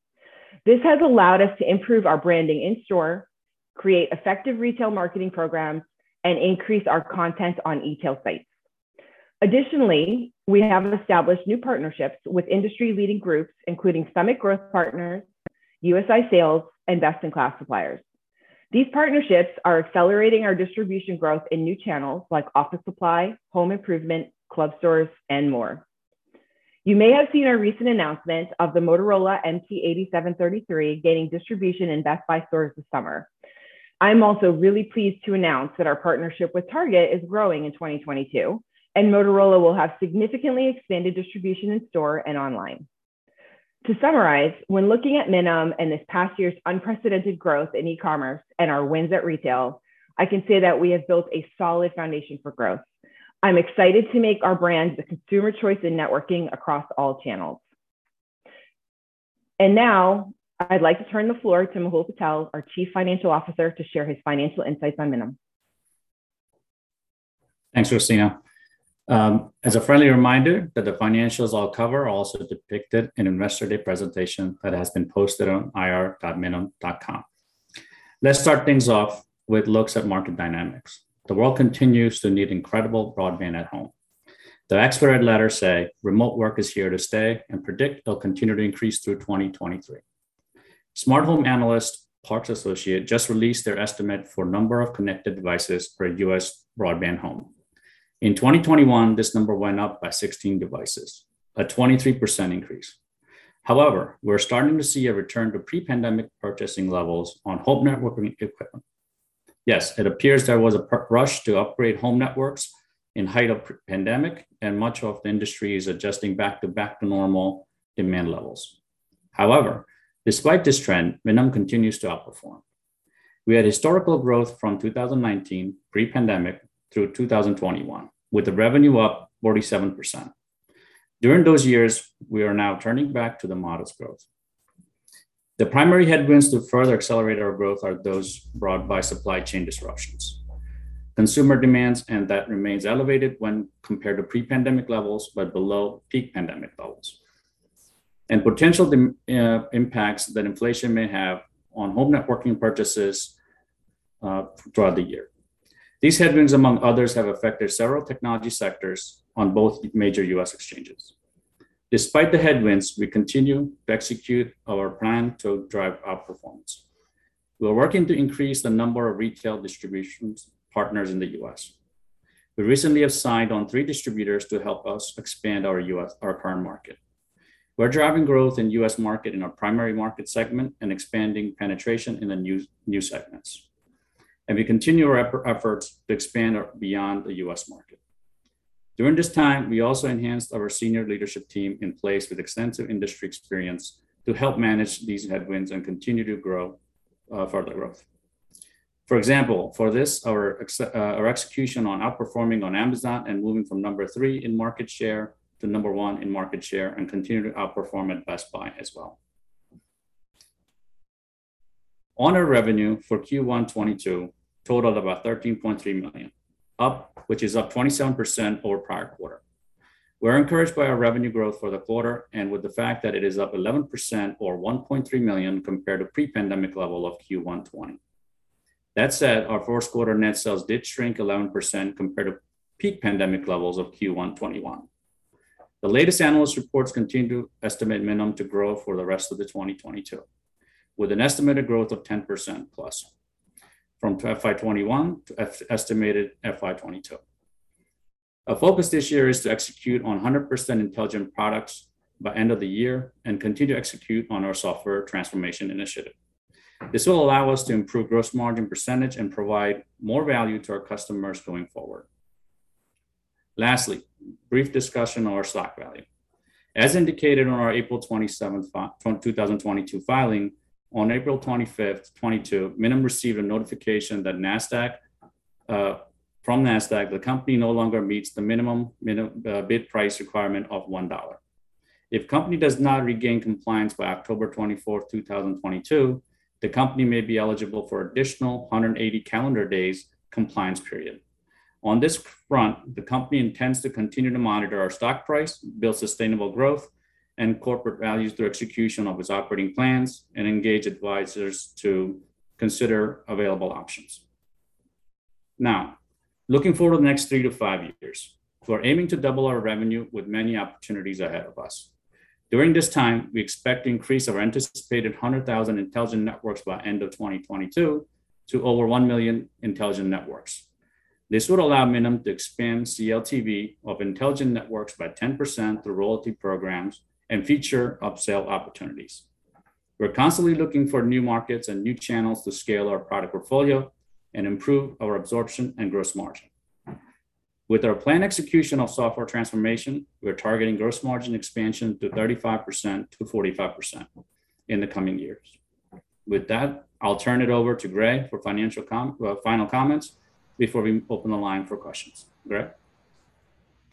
This has allowed us to improve our branding in store, create effective retail marketing programs, and increase our content on e-tail sites. Additionally, we have established new partnerships with industry-leading groups, including Summit Growth Partners, USI Sales, and Best-In-Class suppliers. These partnerships are accelerating our distribution growth in new channels like office supply, home improvement, club stores, and more. You may have seen our recent announcement of the Motorola MT8733 gaining distribution in Best Buy stores this summer. I'm also really pleased to announce that our partnership with Target is growing in 2022, and Motorola will have significantly expanded distribution in store and online. To summarize, when looking at Minim and this past year's unprecedented growth in e-commerce and our wins at retail, I can say that we have built a solid foundation for growth. I'm excited to make our brand the consumer choice in networking across all channels. Now I'd like to turn the floor to Mehul Patel, our chief financial officer, to share his financial insights on Minim. Thanks, Christina. As a friendly reminder that the financials I'll cover are also depicted in investor day presentation that has been posted on ir.minim.com. Let's start things off with a look at market dynamics. The world continues to need incredible broadband at home. Experts say remote work is here to stay and predict it'll continue to increase through 2023. Smart home analyst Parks Associates just released their estimate for number of connected devices per U.S. broadband home. In 2021, this number went up by 16 devices, a 23% increase. However, we're starting to see a return to pre-pandemic purchasing levels on home networking equipment. It appears there was a rush to upgrade home networks in height of pandemic, and much of the industry is adjusting back to normal demand levels. However, despite this trend, Minim continues to outperform. We had historical growth from 2019, pre-pandemic, through 2021, with the revenue up 47%. During those years, we are now turning back to the modest growth. The primary headwinds to further accelerate our growth are those brought by supply chain disruptions, consumer demand, and that remains elevated when compared to pre-pandemic levels but below peak pandemic levels, and potential impacts that inflation may have on home networking purchases throughout the year. These headwinds, among others, have affected several technology sectors on both major U.S. exchanges. Despite the headwinds, we continue to execute our plan to drive our performance. We're working to increase the number of retail distribution partners in the U.S. We recently have signed on 3 distributors to help us expand our current market. We're driving growth in U.S. market in our primary market segment and expanding penetration in the new segments, and we continue our efforts to expand beyond the U.S. market. During this time, we also enhanced our senior leadership team in place with extensive industry experience to help manage these headwinds and continue to grow. Further growth. For example, our execution on outperforming on Amazon and moving from 3 in market share to 1 in market share and continue to outperform at Best Buy as well. Our revenue for Q1 2022 totaled about $13.3 million, which is up 27% over prior quarter. We're encouraged by our revenue growth for the quarter and with the fact that it is up 11% or $1.3 million compared to pre-pandemic level of Q1 2020. That said, our Q1 net sales did shrink 11% compared to peak pandemic levels of Q1 2021. The latest analyst reports continue to estimate Minim to grow for the rest of 2022, with an estimated growth of 10%+ from FY 2021 to estimated FY 2022. Our focus this year is to execute on 100% intelligent products by end of the year and continue to execute on our software transformation initiative. This will allow us to improve gross margin percentage and provide more value to our customers going forward. Lastly, brief discussion on our stock value. As indicated in our April 27, 2022 filing, on April 25, 2022, Minim received a notification from Nasdaq that the company no longer meets the minimum bid price requirement of $1. If the company does not regain compliance by October 24th, 2022, the company may be eligible for additional 180 calendar days compliance period. On this front, the company intends to continue to monitor our stock price, build sustainable growth, and corporate values through execution of its operating plans and engage advisors to consider available options. Now, looking forward to the next 3 to 5 years, we're aiming to double our revenue with many opportunities ahead of us. During this time, we expect to increase our anticipated 100,000 intelligent networks by the end of 2022 to over 1 million intelligent networks. This would allow Minim to expand CLTV of intelligent networks by 10% through royalty programs and feature upsell opportunities. We're constantly looking for new markets and new channels to scale our product portfolio and improve our absorption and gross margin. With our planned execution of software transformation, we're targeting gross margin expansion to 35% to 45% in the coming years. With that, I'll turn it over to Gray for well, final comments before we open the line for questions. Gray?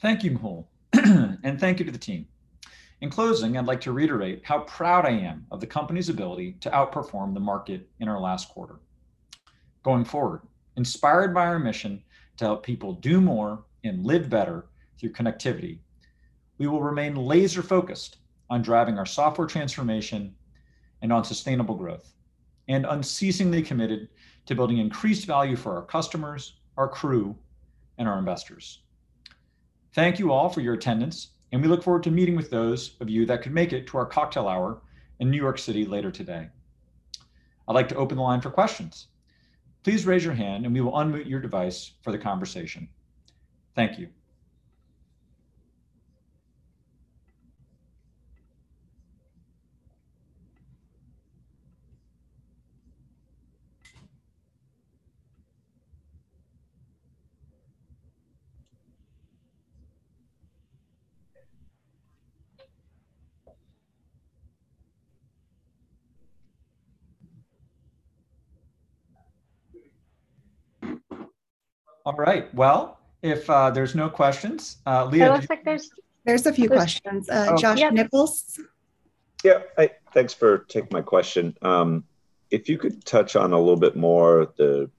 Thank you, Mehul. Thank you to the team. In closing, I'd like to reiterate how proud I am of the company's ability to outperform the market in our last quarter. Going forward, inspired by our mission to help people do more and live better through connectivity, we will remain laser-focused on driving our software transformation and on sustainable growth, and unceasingly committed to building increased value for our customers, our crew, and our investors. Thank you all for your attendance, and we look forward to meeting with those of you that can make it to our cocktail hour in New York City later today. I'd like to open the line for questions. Please raise your hand, and we will unmute your device for the conversation. Thank you. All right. Well, if there's no questions, Leah, do you- It looks like there's- There's a few questions. Oh. Yeah. Josh Nichols? Hey, thanks for taking my question. If you could touch on a little bit more the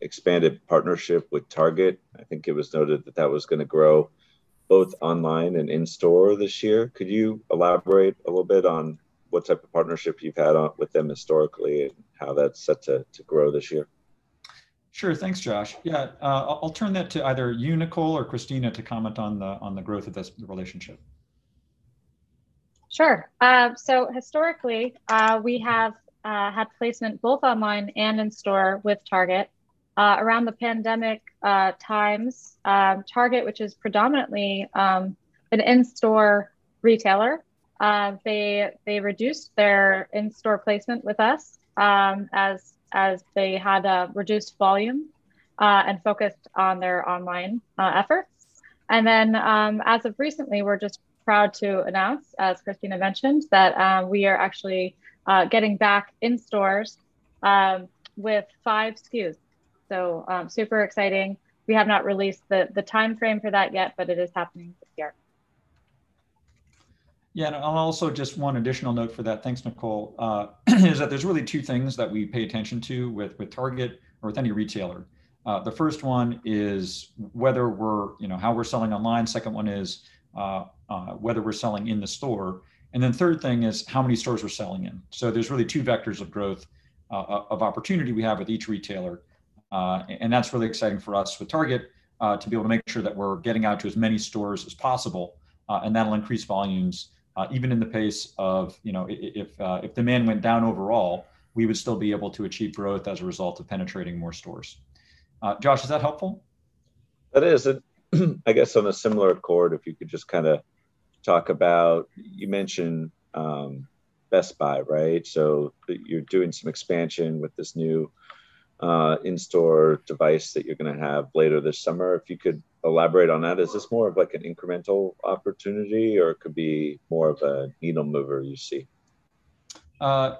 expanded partnership with Target, I think it was noted that that was gonna grow both online and in store this year. Could you elaborate a little bit on what type of partnership you've had with them historically and how that's set to grow this year? Sure. Thanks, Josh. I'll turn that to either you, Nicole, or Christina to comment on the growth of this relationship. Sure. Historically, we have had placement both online and in-store with Target. Around the pandemic times, Target, which is predominantly an in-store retailer, they reduced their in-store placement with us, as they had a reduced volume and focused on their online efforts. As of recently, we're just proud to announce, as Christina mentioned, that we are actually getting back in stores with 5 SKUs. Super exciting. We have not released the timeframe for that yet, but it is happening this year. I'll also just 1 additional note for that, thanks Nicole, is that there's really 2 things that we pay attention to with Target or with any retailer. The first one is whether we're, you know, how we're selling online. Second one is whether we're selling in the store. Then third thing is how many stores we're selling in. There's really 2 vectors of growth of opportunity we have with each retailer. That's really exciting for us with Target to be able to make sure that we're getting out to as many stores as possible, and that'll increase volumes, even in the face of, you know, if demand went down overall, we would still be able to achieve growth as a result of penetrating more stores. Josh, is that helpful? It is. I guess on a similar accord, if you could just kinda talk about, you mentioned, Best Buy, right? So you're doing some expansion with this new, in-store device that you're gonna have later this summer. If you could elaborate on that. Is this more of like an incremental opportunity, or it could be more of a needle mover you see?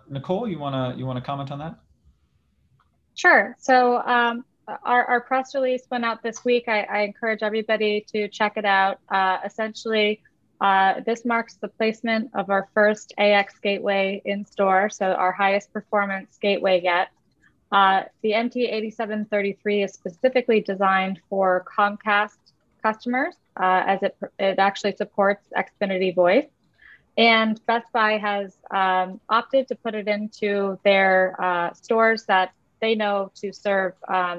Nicole, you wanna comment on that? Sure. Our press release went out this week. I encourage everybody to check it out. Essentially, this marks the placement of our first AX gateway in-store, so our highest performance gateway yet. The MT8733 is specifically designed for Comcast customers, as it actually supports Xfinity Voice. Best Buy has opted to put it into their stores that they know to serve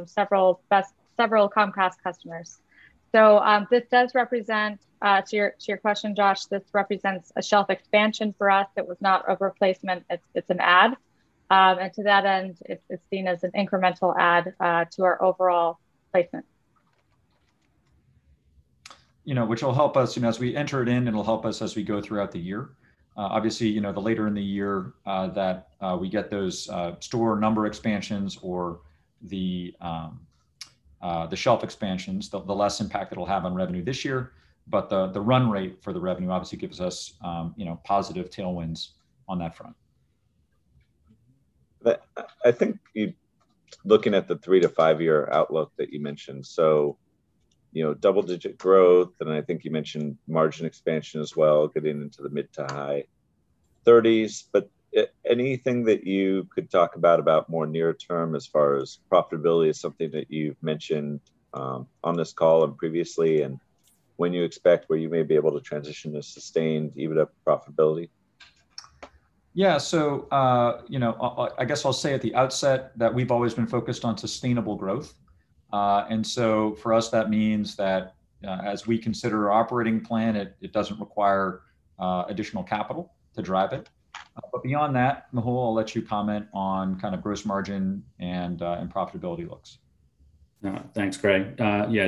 several Comcast customers. This does represent, to your question, Josh, a shelf expansion for us. It was not a replacement, it's an add. To that end, it's seen as an incremental add to our overall placement. You know, which will help us, you know, as we enter it in, it'll help us as we go throughout the year. Obviously, you know, the later in the year that we get those store number expansions or the shelf expansions, the less impact it'll have on revenue this year. The run rate for the revenue obviously gives us, you know, positive tailwinds on that front. Looking at the 3 to 5-year outlook that you mentioned, so, you know, double-digit% growth, and I think you mentioned margin expansion as well, getting into the mid- to high 30s%. Anything that you could talk about more near-term as far as profitability is something that you've mentioned on this call and previously, and when you expect where you may be able to transition to sustained EBITDA profitability? I guess I'll say at the outset that we've always been focused on sustainable growth. For us, that means that as we consider our operating plan, it doesn't require additional capital to drive it. Beyond that, Mehul, I'll let you comment on kind of gross margin and profitability looks. Thanks, Gray.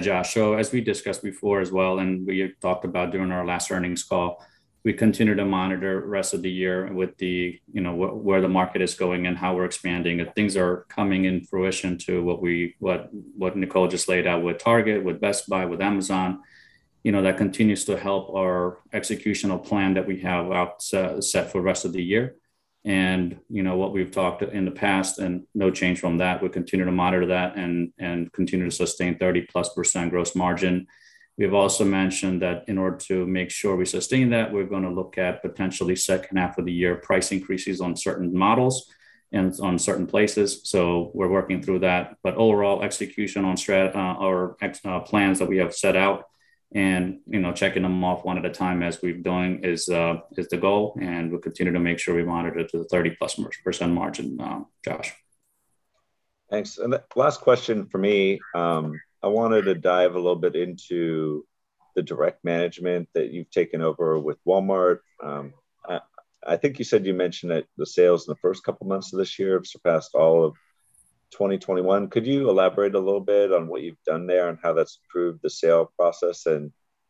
Josh. As we discussed before as well, and we had talked about during our last earnings call, we continue to monitor the rest of the year with you know where the market is going and how we're expanding. If things are coming to fruition to what we what Nicole just laid out with Target, with Best Buy, with Amazon, you know that continues to help our executional plan that we have set out for the rest of the year. What we've talked in the past and no change from that, we continue to monitor that and continue to sustain 30%+ gross margin. We have also mentioned that in order to make sure we sustain that, we're gonna look at potentially H2 of the year price increases on certain models and on certain places. We're working through that. Overall, execution on strategy or execution plans that we have set out and, you know, checking them off 1 at a time as we've done is the goal, and we'll continue to make sure we monitor to the 30+% margin, Josh. Thanks. The last question from me, I wanted to dive a little bit into the direct management that you've taken over with Walmart. I think you said you mentioned that the sales in the first couple months of this year have surpassed all of 2021. Could you elaborate a little bit on what you've done there and how that's improved the sales process?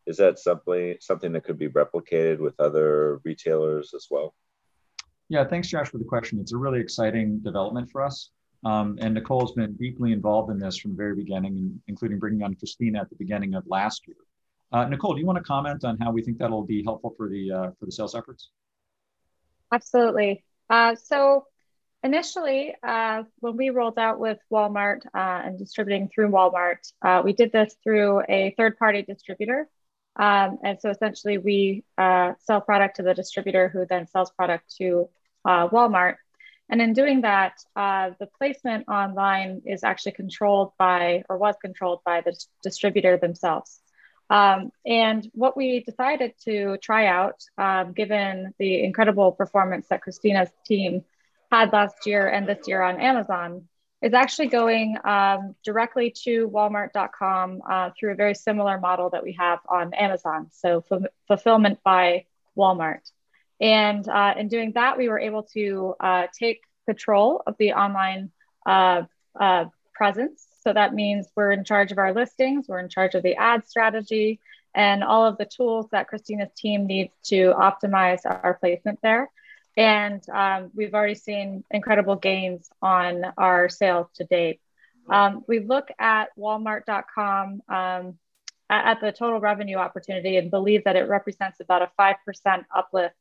Is that simply something that could be replicated with other retailers as well? Thanks, Josh, for the question. It's a really exciting development for us. Nicole's been deeply involved in this from the very beginning, including bringing on Christina at the beginning of last year. Nicole, do you wanna comment on how we think that'll be helpful for the sales efforts? Absolutely. Initially, when we rolled out with Walmart and distributing through Walmart, we did this through a third party distributor. Essentially we sell product to the distributor who then sells product to Walmart. In doing that, the placement online is actually controlled by, or was controlled by the distributor themselves. What we decided to try out, given the incredible performance that Christina's team had last year and this year on Amazon, is actually going directly to walmart.com through a very similar model that we have on Amazon, so fulfillment by Walmart. In doing that, we were able to take control of the online presence. That means we're in charge of our listings, we're in charge of the ad strategy, and all of the tools that Christina's team needs to optimize our placement there. We've already seen incredible gains on our sales to date. We look at Walmart.com, at the total revenue opportunity and believe that it represents about a 5% uplift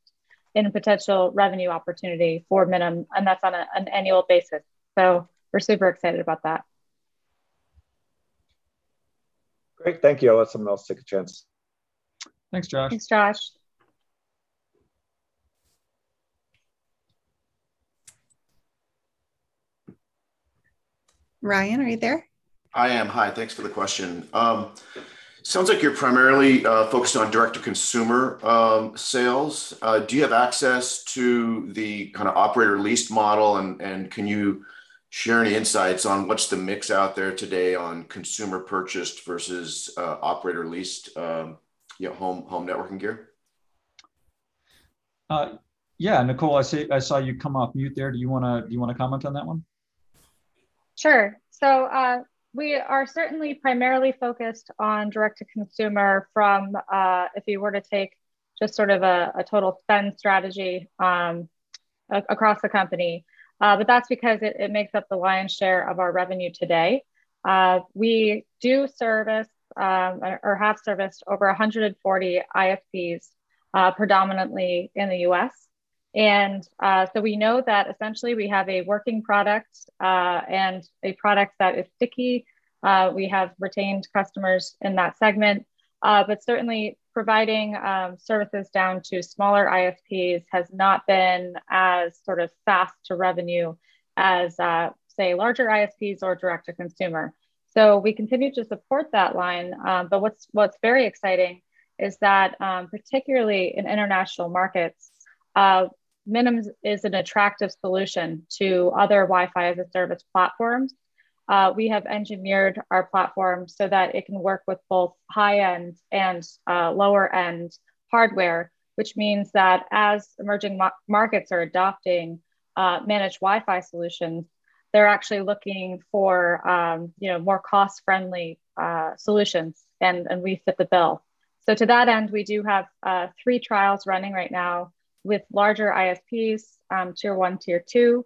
in a potential revenue opportunity for Minim, and that's on an annual basis. We're super excited about that. Great. Thank you. I'll let someone else take a chance. Thanks, Josh. Thanks, Josh. Ryan, are you there? I am. Hi, thanks for the question. Sounds like you're primarily focused on direct-to-consumer sales. Do you have access to the kinda operator-leased model, and can you share any insights on what's the mix out there today on consumer purchased versus operator leased home networking gear? Nicole, I saw you come off mute there. Do you wanna comment on that one? Sure. We are certainly primarily focused on direct to consumer from if you were to take just sort of a total spend strategy across the company. That's because it makes up the lion's share of our revenue today. We do service or have serviced over 140 ISPs predominantly in the U.S. We know that essentially we have a working product and a product that is sticky. We have retained customers in that segment. Certainly providing services down to smaller ISPs has not been as sort of fast to revenue as say larger ISPs or direct to consumer. We continue to support that line, but what's very exciting is that, particularly in international markets, Minim is an attractive solution to other Wi-Fi as a service platforms. We have engineered our platform so that it can work with both high-end and lower-end hardware, which means that as emerging markets are adopting managed Wi-Fi solutions, they're actually looking for, you know, more cost-friendly solutions, and we fit the bill. To that end, we do have 3 trials running right now with larger ISPs, tier 1, tier 2.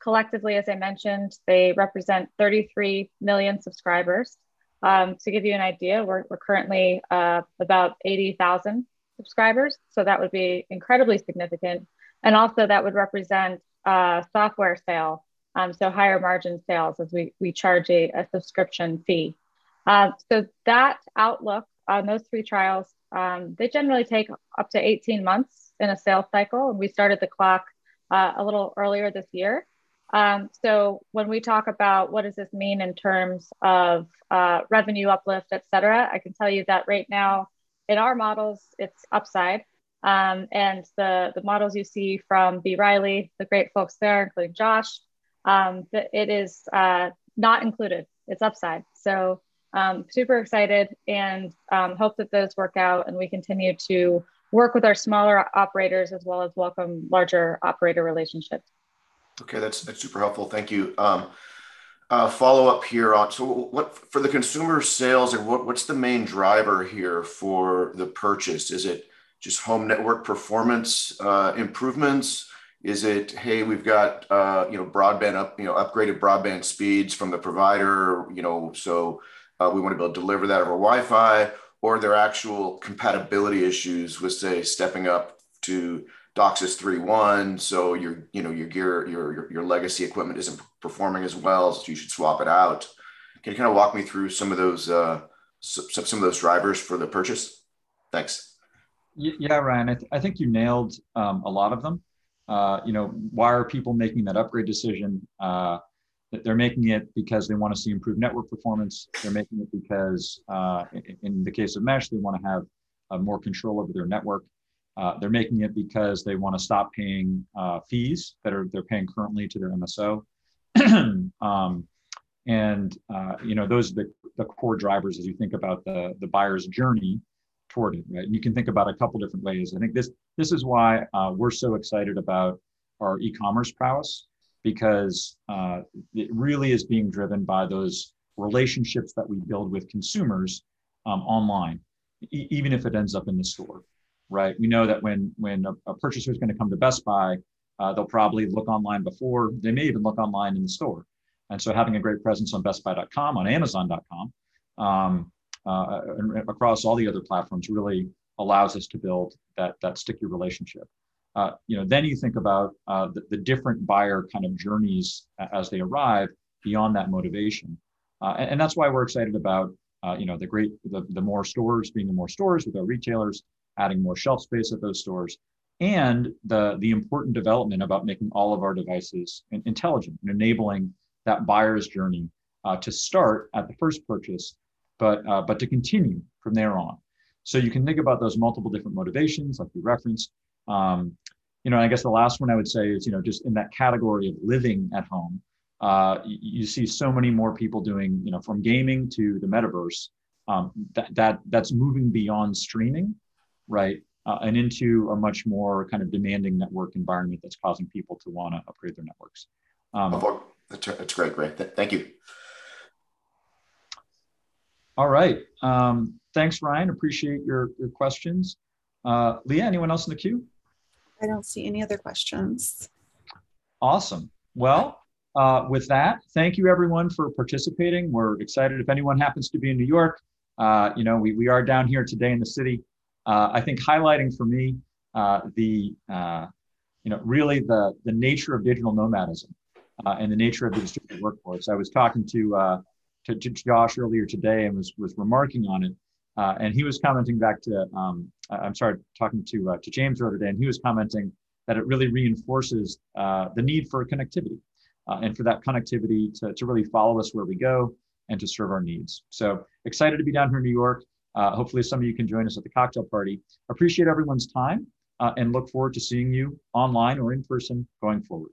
Collectively, as I mentioned, they represent 33 million subscribers. To give you an idea, we're currently about 80,000 subscribers, so that would be incredibly significant, and also that would represent a software sale, so higher margin sales as we charge a subscription fee. That outlook on those 3 trials, they generally take up to 18 months in a sales cycle, and we started the clock a little earlier this year. When we talk about what does this mean in terms of revenue uplift, et cetera, I can tell you that right now in our models, it's upside. The models you see from B. Riley, the great folks there, including Josh, it is not included. It's upside. super excited and hope that those work out, and we continue to work with our smaller operators as well as welcome larger operator relationships. Okay. That's super helpful. Thank you. Follow up here on the consumer sales. What's the main driver here for the purchase? Is it just home network performance improvements? Is it, hey, we've got you know, upgraded broadband speeds from the provider, you know, so we want to be able to deliver that over Wi-Fi? Or are there actual compatibility issues with, say, stepping up to DOCSIS 3.1, so your you know, your gear, your legacy equipment isn't performing as well, so you should swap it out? Can you kinda walk me through some of those drivers for the purchase? Thanks. Ryan. I think you nailed a lot of them. You know, why are people making that upgrade decision? They're making it because they want to see improved network performance. They're making it because in the case of mesh, they want to have more control over their network. They're making it because they want to stop paying fees they're paying currently to their MSO. You know, those are the core drivers as you think about the buyer's journey toward it, right? You can think about a couple different ways. I think this is why we're so excited about our e-commerce prowess because it really is being driven by those relationships that we build with consumers online, even if it ends up in the store, right? We know that a purchaser's gonna come to Best Buy, they'll probably look online before. They may even look online in the store. Having a great presence on bestbuy.com, on amazon.com, across all the other platforms really allows us to build that sticky relationship. You know, you think about the different buyer kind of journeys as they arrive beyond that motivation. That's why we're excited about, you know, the more stores with our retailers, adding more shelf space at those stores, and the important development about making all of our devices intelligent and enabling that buyer's journey to start at the first purchase, but to continue from there on. You can think about those multiple different motivations, like we referenced. You know, I guess the last 1 I would say is, you know, just in that category of living at home, you see so many more people doing, you know, from gaming to the metaverse, that's moving beyond streaming, right, and into a much more kind of demanding network environment that's causing people to wanna upgrade their networks. That's great. Thank you. All right. Thanks, Ryan. Appreciate your questions. Leah, anyone else in the queue? I don't see any other questions. Awesome. Well, with that, thank you everyone for participating. We're excited. If anyone happens to be in New York, you know, we are down here today in the city. I think highlighting for me, you know, really the nature of digital nomadism and the nature of the distributed workforce. I was talking to Josh earlier today and was remarking on it, and he was commenting back to... I'm sorry, talking to James the other day, and he was commenting that it really reinforces the need for connectivity, and for that connectivity to really follow us where we go and to serve our needs. Excited to be down here in New York. Hopefully some of you can join us at the cocktail party. Appreciate everyone's time, and look forward to seeing you online or in person going forward.